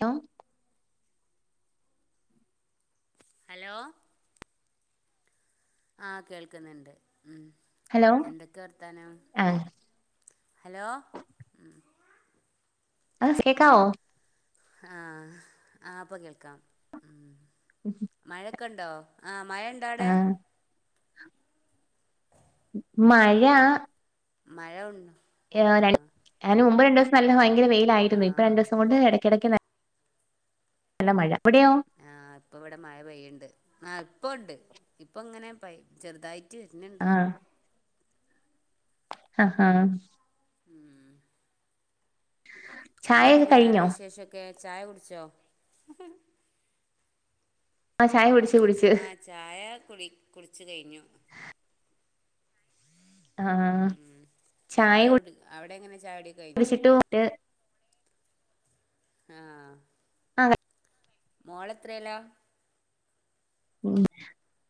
Tom hello. ആഹ് കേൾക്കുന്നുണ്ട് ഉം ഹലോ എന്തൊക്കെ വർത്താനം? ആഹ് ഹലോ അസ് കേക്കാവോ? ഹാ ആഹ് ഇപ്പൊ കേൾക്കാം ഉം [unintelligible] മഴൊക്കെ ഉണ്ടോ ആഹ മഴ ഇണ്ടോ അവിടെ ആഹ് മഴ മഴ ഉണ്ടോ ആ അതിന് മുമ്പ് രണ്ട ദിവസം നല്ല ഭയങ്കര വെയില ആ ആയിരുന്നു ഇപ്പൊ രണ്ടുസം കൊണ്ട് ഇടക്കടയ്ക്ക് നല്ല മഴ അവിടെയോ ആ് ഇപ്പ ഇവിടെ മഴ പെയ്യുണ്ട് ആ ഇപ്പ ഉണ്ട് ഇപ്പ ഇങ്ങനെ പ ചെറുതായി ചെറുതായിട്ട് വരുന്നുണ്ട് ആഹഹ ഉം എന്താ ചായയൊക്കെ പിന്നെ വേറെ കഴിഞ്ഞോ വിശേഷൊക്കെ ചായ കുടിച്ചോ ആഹ ചായ കുടിച്ച് കുടിച്ച് ആ ചായ കുടി കുടിച്ച് കഴിഞ്ഞു ആഹ് ഉം ഉം ചായ അവിടെ അവിടെ എങ്ങനെ ചായക്കൂടി കഴിഞ്ഞോ കുടിച്ചിട്ട് ആഹ ആഹ മോളെത്രയല്ലാ ഉ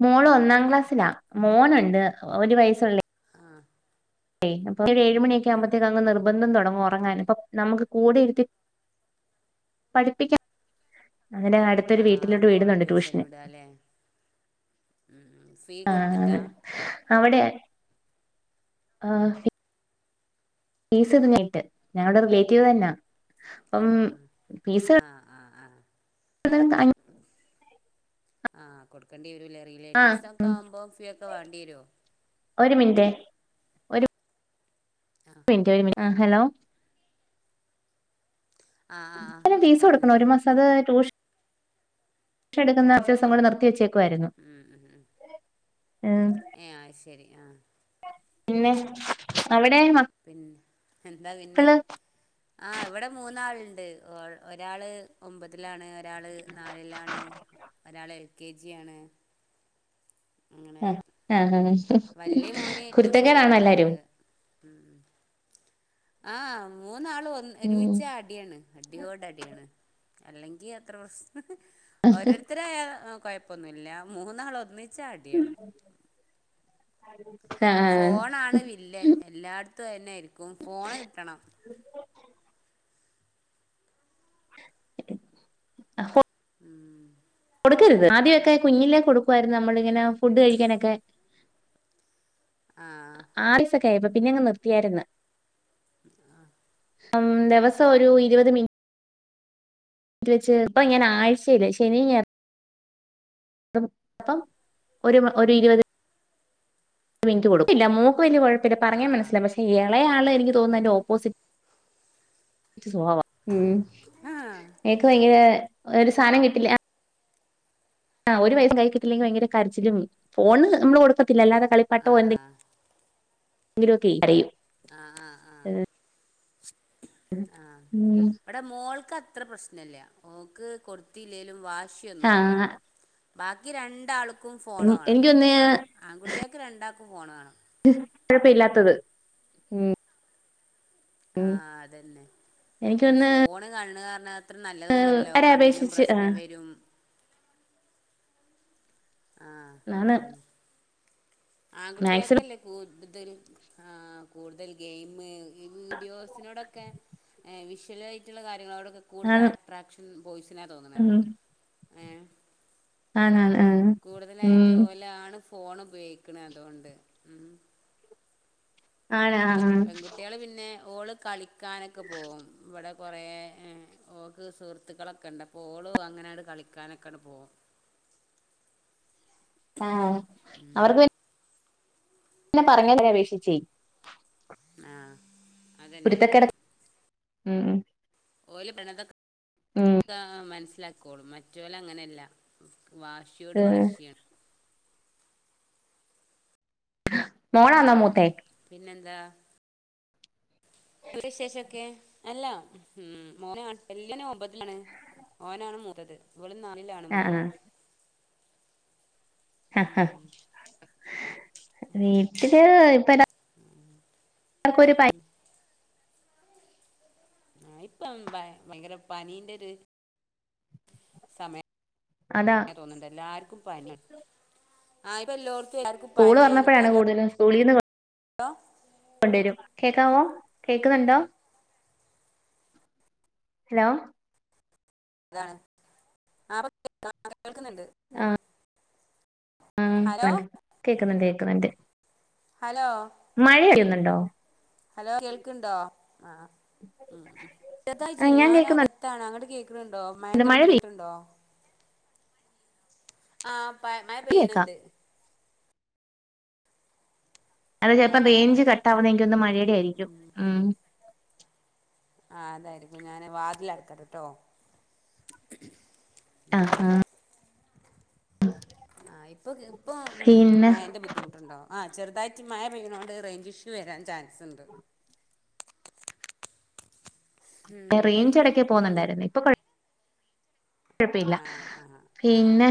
മോള ഒന്നാം ക്ലാസ്സിലാ മോനുണ്ട് ഒരു വയസുള്ള ആഹ അയ് അപ്പ ഒരു ഏഴുമണിയൊക്കെ ആകുമ്പഴത്തേക്ക അങ്ങ് നിർബന്ധം തുടങ്ങും ഉറങ്ങാനും അപ്പോൾ നമുക്ക് കൂടെ ഇരുത്തിയിട്ട് പഠിപ്പിക്ക അങ്ങനെ അടുത്തൊരു ആ വീട്ടിലോട്ട് അപ്പോള വിടുന്നുണ്ട് ട്യൂഷനും ട്യൂഷന് വിടാല് ഫീ കൊടുത്തിട്ട് അവിടെ ആ ഫീസ് ഇങ്ങായിട്ട് ഞങ്ങളുടെ റിലേറ്റീവ് തന്നെയ ആഹ് ആഹ ആഹ ആഹ ആഹ [inaudible] ഉ ആ കൊടുക്കേണ്ടി വരുല്ലേ ആ റിലേറ്റീവ്സൊക്കെ ആവുമ്പോൾ ഫീ ഒക്കെ വേണ്ടി വരുമോ ഒരു മിനിറ്റ് ആ മിനന്റ് ഒരു മിനന്റ് ഹലോ ആഹ് ആഹ് ആഹ് എ ഫീസ കൊടുക്കണം പറഞ്ഞോളൂ ഒരു മാസം അത് ട്യൂഷ ട്യൂഷൻ എടുക്കുന്ന അഭ്യസംങ്ങൾ നിർത്തി വെച്ചേക്ക ഉം ഉ ഉം ഏ ശരി ആഹ പിന്നെ അവിടെ പിന്നെ എന്താ പിന്നെ മക്കള് ആ ഇവിടെ മൂന്നാളുണ്ട് ഒരാള് ഒമ്പതിലാണ് ഒരാള് നാലിലാണ് ഒരാൾ എൽ കെ ജിയണ് അങ്ങനെ ആ ആ വല്യ മോന് ട്യൂഷന് കുരുത്തക്കേടാണോ എല്ലാരും പോണണ്ട് ഉ ആഹ മൂന്നാള് ഒന്ന് ഉം ഒരുമിച്ചടി അടിയാണ് അടിയോടടി അല്ലെകി അത്ര പ്രശ്ന ഓരോരുത്തര് ഇതായ കുഴപ്പമൊന്നുമില്ല മൂന്നാൾ ഒന്നിച്ച അടിയാണ് ആഹ [unintelligible] ഫോണാണ് വില്ലൻ എല്ലായിടത്തും തന്നൊയിരിക്കും ഫോണ് കിട്ടണം ആ [inaudible] ഉം കൊടുക്കരുത് ആദ്യമൊക്കെ കുഞ്ഞിലേ കൊടുക്കുമായിരുന്നു നമ്മളിങ്ങനെ ഫുഡ് കഴിക്കാനൊക്കെ ആഹ ആറിസ്സൊക്ക ആയപ്പോ പിന്നെ അങ് നിർത്തിയായിരുന്നു ആഹ ഉ ദിവസം ഒരു ഇരുപത് മിനി വെച്ച് ഇപ്പ ഇങ്ങനെ ആഴ്ചയില്ല ശനിഞ [unintelligible] ഒരു ഇരുപത് മിനിറ്റ് കൊടുക്കും ഇല്ല മോക്ക് വലിയ കുഴപ്പ പിന്നെ പറഞ്ഞ ആഹ് മനസ്സിലാവും പക്ഷേ ഇളേയാള് എനിക്ക് തോന്നുന്നത് അതിന്റെ ഓപ്പോസിറ്റ് ഉം ആഹ് എനിക്ക് വയ്യാ ഒരു സാധനം കിട്ടില്ല ആഹ് ഓര് പയസ കയ്യിൽ കിട്ടിയില്ലെങ്കിൽ ഭയങ്കര കരച്ചിലും ഫോണ് നമ്മള് കൊടുക്കത്തില്ലാ അല്ലാതെ കളിപ്പാട്ടോ ആഹ് എന്തെ എങ്കിലുവൊക്കെ കരയും ആഹ് ആഹ് ആഹ് ആഹ് ഉം അവിടെ മോൾക്ക് അത്ര പ്രശ്നല്ല മോക്ക് കൊടുത്തില്ലേലും വാശിയൊന്നുമില്ല ആ ബാക്കി രണ്ടാൾക്കും ഫോണ് വേണം എനിക്കൊന്ന് ആൺകുട്ടികൾക്ക് രണ്ടാൾക്കും ഫോണ് വേണം കുഴപ്പം ഇല്ലാത്തത് ആഹ് അതന്നെ പിന്നെ എനിക്കൊന്ന് ഫോണ് കാണ കാരണം അത്ര നല്ലതൊന്നുവല്ലല്ലോ അവരെ കണ്ണിനും അപേക്ഷിച്ച് ആ പ്രശ്നം വരും ആഹ് ആണ് അതന്നെ മാക്സിമം ആൺകുട്ടികൾക്കല്ലേ കൂടുതൽ ആഹ് കൂടുതൽ ഗെയിംമ് ഈ വീഡിയോസിനോടൊക്കെ വിഷ്വൽ ആയിട്ടുള്ള കാര്യങ്ങളോടൊക്കെ കൂടുതൽ ആണ് അട്രാക്ഷൻ ബോയ്സിനാ തോന്നുന്നത് ഏഹ് ആണോ ആഹ് കൂടുതലായിട്ട് ഓലാണ് ഫോൺ ഉപയോഗിക്കണെ അതുകൊണ്ട് ഉം ആണോ പെൺകുട്ടികള് പിന്നെ ഓള് കളിക്കാനൊക്കെ പോവും ഇവിടെ കുറേ ഓക്ക് സുഹൃത്തുക്കളൊക്കെ ഉണ്ട് അപ്പോൾ ഓളും അങ്ങനെങ്ങട് കളിക്കാനൊക്കെയങ്ങട് പോകും [inaudible] ആഹ് അവർക്ക് പി ന്നെ പറഞ്ഞേന് അപേഷിച്ചേ ആഹ് അതന്നെ കുരുത്തക്കേട് ഉംഹ് ഓല്. [unintelligible] ഉം ആഹ് മനസ്സിലായ്ക്കോളും മറ്റോല് അങ്ങനെയല്ല വാശിയോട് വാശിയാണ്. മോളാന്നോ ഉം മൂത്തേ പിന്നെന്താ എന്താ വിശേഷൊക്കെ. അല്ല ഉം മോന അല്ലാ ഒമ്പതിൽ ആണ് ഓനാണ് മൂത്തത്. ഇവടിം നാലിലാണ് മോള്. ആഹ് ഉം [unintelligible] വീട്ടില് ഇപ്പൊ എ ഉം. എല്ലാർക്കും ഒരു പനി ആഹ് ഇപ്പം ഭയങ്കര പനീന്റെ ഒരു സമയം. അതാ തോന്നുന്നുണ്ട് എല്ലാർക്കും പനിയാ ഇപ്പം എല്ലോടുത്തും സ്കൂള് തൊറന്നപ്പോഴാണ് കൂടുതലും സ്കൂളിന്ന് ഹലോ കൊണ്ടുവരും കേക്കാവോ കേൾക്കുന്നുണ്ടോ ഹലോ അതാണ് ആഹ് [unintelligible] കേൾക്കുന്നുണ്ട് ഉം ഹലോ ഉം കേക്കുന്നുണ്ട് കേക്കുന്നുണ്ട് ഹലോ മഴ പെയ്യുന്നുണ്ടോ ഹലോ കേൾക്കുണ്ടോ ആഹ് ഉം ഉം ചെറുതായിട്ട് ആഹ് ഞാൻ ഞാനക കേക്കുന്നുണ്ട് ത്താണ് അങ്ങോട്ട് കേൾക്കുന്നുണ്ടോ മഴേന്റെ മഴ ബുദ്ധിമുട്ടുണ്ടോ ആഹ് പ മഴ പെയ്യ് കേക്കാം പെയ്യണുണ്ട്. അത് ആഹ് ചിലപ്പോം ആഹ് റേഞ്ച് ആഹ് കട്ടവുന്നത് ഒന്ന് മഴടെയിരിക്കും ഉം.. ആ അതായിരിക്കും ഞാന് വാതിൽ അടുക്കട്ടെ ട്ടോ.. ആ ആഹ.. ആഹ.. ഇപ്പോ ഇപ്പോ മഴേൻ്റെ ബുദ്ധിമുട്ടുണ്ടോ.. ആ ചെറുതായിട്ട് മാഴ പെയിനോണ്ട് റേഞ്ച് ഇഷ്യൂ വരാൻ ചാൻസ് ഉണ്ട്.. ഉം റേഞ്ച് എടക്ക് പിന്നെ പോകുന്നുണ്ടായിരുന്നു ഇപ്പൊ കൊയാ.. ആഹ ആഹ് ആഹ.. പിന്നെ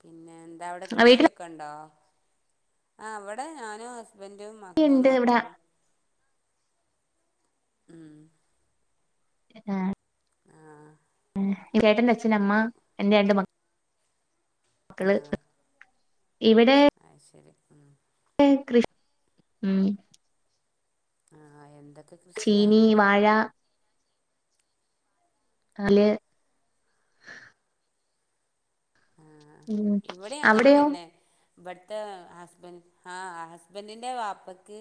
പിന്നെ എന്താ അവിടെ കൃഷിയൊക്കെ ഉണ്ടോ ആ ഇവിടെ ഞാനും ഹസ്ബൻ.. ഹസ്ബൻറ്റും മൂന്ന് വീട്ടിലൊക്കെയുണ്ട് ഇവിടെ മക്കളും.. ഉം.. ആഹ.. ആഹ.. ചെട്ടന് അച്ഛൻ അമ്മ എന്റെ രണ്ട് മക്കൾ.. മക്കള് ഇവിടെ.. അഹ് ശെരി.. ഇവിടെ കൃഷി ഉം.. ആ അ എന്തൊക്കെ.. കൃഷിയാ ചീനി വാഴ.. അല്.. ആഹ ഉം ഇവിടെ അങ്ങനെ അവിടെയോ തന്നെ.. ഇവിടെത്തെ ഹസ്ബൻഡ് ന്റെ വാപ്പക്ക്..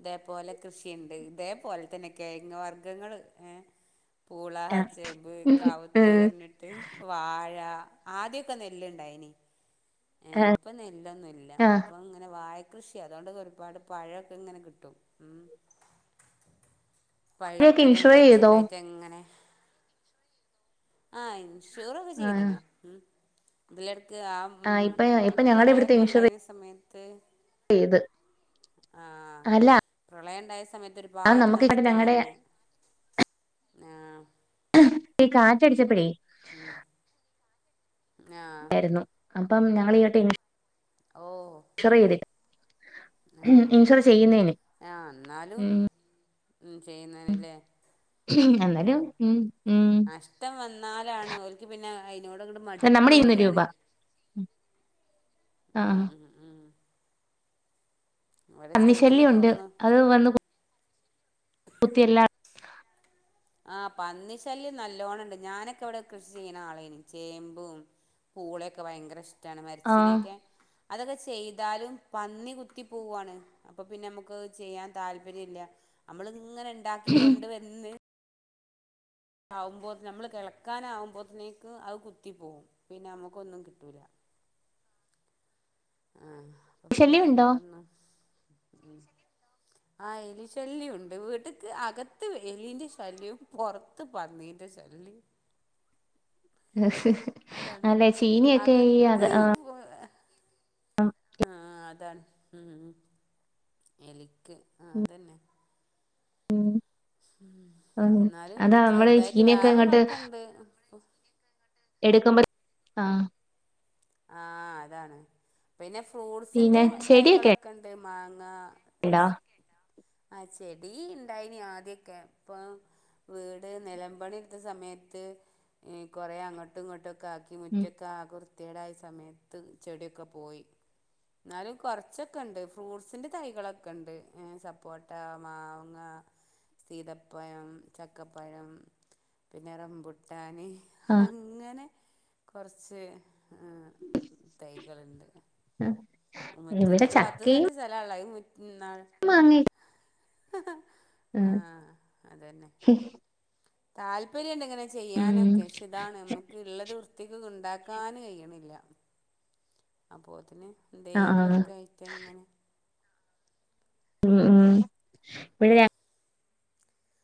ഇതേപോലെ കൃഷിയുണ്ട് ഇതേപോലെ തന്നെ കെഴങ്‌ വർഗ്ഗങ്ങൾ ഏ.. പൂള ആ ചെമ്പ് ഉം കവുത്ത് പറഞ്ഞിട്ട് വാഴ ആദ്യെ.. ക്കെ നെല്ല് ഇണ്ടായിന് ഇപ്പോ നെല്ലൊന്നുല്ല ആഹ് ഇപ്പ ഇങ്ങനെ വാഴാ.. കൃഷി അതുകൊണ്ട് ഒരുപാട് പഴക്കെ ഇങ്ങനെ കിട്ടും ഉം ഇവയൊക്കെ പഴുത്തതും ഇൻഷുർ ചെയ്തോ പച്ചക്കായിറ്റ ങ്ങനെ ആ ഷോറൊക്കെ ആഹ് ചെയ്ത്ക്ക്ണ് ഉം അതിലടക്ക് ആ ഉം ആഹ് ഇപ്പൊ ഉം ഇപ്പൊ ഞങ്ങളുടെ ഇവിടുത്തെ പ്രളയൊക്കെ ഇൻഷുർ ഉണ്ടായിന സമയത്ത് ചെയ്ത് ആ അല്ല പ്രളയം ഉണ്ടായ സമയത്ത് ഒരു ഒരു അത് നമുക്ക് ഇവിടെ വാഡ്നഷ്ടം ഞങ്ങടെ വന്ന് ആഹ കാറ്റടിച്ചപയേ ഉം ആായിരുന്നു അപ്പം ഞങ്ങൾ ഈ കേട്ട ഓഹോ റയത് [unintelligible] ആഹ ആഹ എന്നാലും ഉം ഉ ചെയ്യുന്നനല്ലേ ഉ എന്നാലും ഉം ഉം ഇഷ്ടം വന്നാലാണ് ഓലക്ക് പിന്നെ അതിനോട് മടുപ്പ് നമ്മുടെ വരി ഇരുന്നൂറ് ആണ് രൂപ ഉ ആഹ് ഉ ഉ ഇടെ പന്നി ചെയ്ത്ന്ന് ശല്യം ഉണ്ട് തോന്നണ ഉ ത്തില്ല [unintelligible] ആ പന്നി ശല്യം നല്ലോണം ഉണ്ട് ഞാനൊക്കെ ഇവിടെ കൃഷി ചെയ്യണ ആളേന് ചേമ്പും പൂളൊക്കെ ഭയങ്കര ഇഷ്ടമാണ് ആഹ് മരച്ചിനൊക്കെ അതൊക്കെ ചെയ്താലും പന്നി കുത്തി പോവുവാണ് അപ്പൊ പിന്നെ നമുക്ക് ചെയ്യാൻ താല്പര്യം ഇല്ല നമ്മള് ഇങ്ങനെ ഉണ്ടാക്കി കൊണ്ട് വന്ന് ആകുമ്പോ നമ്മള് കിളക്കാന ആകുമ്പോഴത്തേക്ക് അത് കുത്തിപ്പോകും പിന്നെ നമുക്കൊന്നും കിട്ടൂല ആഹ അപ്പൊ പിന്നെ ശല്യം ഉണ്ടോ അയിതിനോടൊന്ന്ു ഉ ആ എലിശല്യം ഉണ്ട് വീട്ടക്ക് അകത്ത് എലിൻ്റെ ശല്യവും പുറത്ത് പന്നീ്ന്റെ ശല്യം എഹ് അതാണോ അകത്ത് ആഹ്‌ അതാണ് ഉ എലിക്ക് ആ അതന്നെ ഉം ഉ എന്നാലും നമ്മള് ചെറുതായിട്ട് ചീനിയൊക്കെ വേറെള്ള ഇങ്ങോട്ട് ഒക്കെണ്ട് എടുക്കുമ്പ ആ ആഹ്‌ അതാണ് പിന്നെ ഫ്രൂട്ട്സിന്റെ പിന്നെ ചെടിയൊക്കെ തൈകളൊക്കെ ഉണ്ട് മാങ്ങ ണ്ടാ ആ ചെടി ഇണ്ടായിന് ആദ്യൊക്കെ ഇപ്പൊ വീട് നിലമ്പണി എടുത്ത സമയത്ത് കുറെേ അങ്ങോട്ടും ഇങ്ങോട്ടുമൊക്കെ ആക്കി ഉം മുറ്റക്കെ ആകെ വൃത്തി യേടായ സമയത്ത് ചെടിയൊക്കെ പോയി എന്നാലും കുറച്ചൊക്കെ ഇണ്ട് ഫ്രൂട്ട്സിൻ്റെ തൈകളൊക്കെ ഉണ്ട് സപ്പോട്ട് പട്ട മാങ്ങ സീതപ്പായം ചക്കപ്പായം പിന്നെ റംബുട്ടാന് ആഹ് അങ്ങനെ കുറച്ച് തൈകളുണ്ട് ഇവിടെ ചക്കയും സ്ഥലാണ് ഇള്ള ത് മാങ്ങാ ആഹ്‌ ആ അതന്നെ താല്പര്യണ്ട് ഇങ്ങനെ ഉം ചെയ്യാനൊക്കെ പക്ഷെ ഇതാണ് നമുക്ക് ഉള്ളത് കു ത്തിക് ഇണ്ടാക്കാാന് കഴിയണില്ല അപ്പൊത്തിന് ആഹ് ആഹ് എന്തെങ്കിലൊക്കെ ആയിട്ട് അങ്ങനെ ഉ ഉം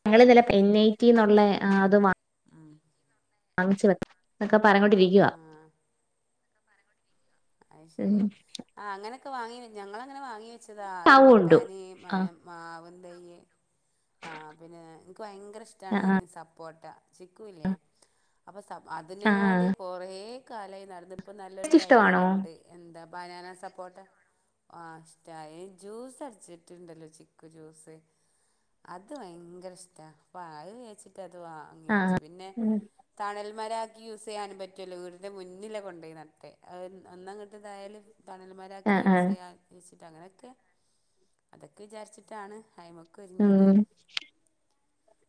ഞങ്ങള്ന്നലെ എൻ ഐറ്റിുള്ള അത് ആഹ്‌ വാങ്ങിച്ച വെ എന്നക്കെ പറോണ്ടിരിക്കുക ആഹ് അത് ശരി ആ അങ്ങനെയൊക്കെ വാങ്ങി ഞങ്ങളങ്ങനെ വാങ്ങി വെച്ചതാ മാവ് കൊണ്ടു റംപുട്ടാൻ ആഹ് മാവും തയ്യ് ആ പിന്നെ എനിക്ക് ഭയങ്കര ഇഷ്ടാണ് ആഹ് സപ്പോട്ട ചിക്കൂല്ലേ അപ്പം സപ് അതിന് വേണ്ടി ആഹ് കൊറേ കാലായി നടന്ന് ഇപ്പം നല്ലൊരു ടേസ്റ്റ് തൈ ഇഷ്ടമാണോ കണ്ട് എന്താ ബനാന സപ്പോട്ട ആ ഇഷ്ടായ് ഈ ജ്യൂസ് അടിച്ചിട്ടുണ്ടല്ലോ ചിക്കു ജ്യൂസ് അത് ഭയങ്കര ഇഷ്ടാ അപ്പ അത് വിചാരിച്ചിട്ട് അത് വാങ്ങി വെച്ചു പിന്നെ തണൽമരാക്കി യൂസ് ചെയ്യാനും പറ്റു അല്ലോ വീടിൻ്റെ മുന്നിലാ കൊണ്ടോയി നട്ടേ അത് എന് ഒന്നങ്ങട്ടിതായാലും തണൽ മരാക്കി ആഹ് ആഹ് യൂസ് ചെയ്യാൻ ഇച്ചിട്ട് അങ്ങനെ ഒക്കെ അതൊക്കെ വിചാരിച്ചിട്ടാണ് ഹയിമക്ക് ഒരുങ്ങിയത് ഉം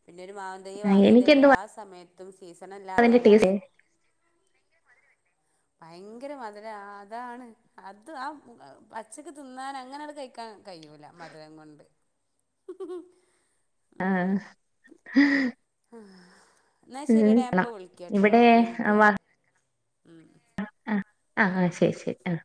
പിന്നെ ഒരു മാവ് തൈയ്യ് വാങ്ങിയത് എല്ലാ എനിക്കെന്തുവാ സമയ തും സീസണല്ലാതെ അതിന്റെ എല്ലാ ടേസ്റ്റ് സി ഭയങ്കര മധുര അതാണ് അത് ആ പുക പച്ചക്ക് തിന്നാൻ അങ്ങനെ അത് കഴിക്കാനാണ് കഴ്‌യൂല മധുരം കൊണ്ട് ആഹ് ആഹ് എന്നാ ശരിയെടേ അപ്പൊ വിളിക്കാട്ടോ ഇവിടെ ഒര് മിനിറ്റേ ഉം അഹ് ആഹ് ആഹ് ആഹ് ശരി ശരി ആഹ്